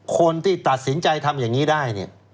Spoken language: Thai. คนที่ตัดสินใจทำอย่างนี้ได้เนี่ย